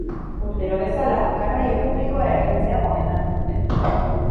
Urtero bezala, garraio publikoa erabiltzea gomendatu dute.